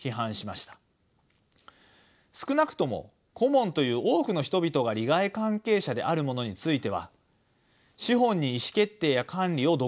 少なくともコモンという多くの人々が利害関係者であるものについては資本に意思決定や管理を独占させてはいけません。